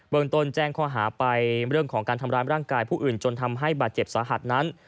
ตนแจ้งข้อหาไปเรื่องของการทำร้ายร่างกายผู้อื่นจนทำให้บาดเจ็บสาหัสนั้น